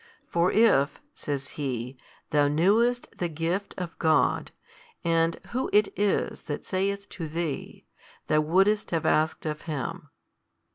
For if (says He,) thou knewest the gift of God and Who It is That saith to thee, thou wouldest have asked of Him.